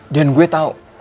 dan gue tau